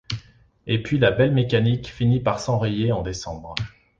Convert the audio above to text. Et puis la belle mécanique finit par s'enrayer en décembre.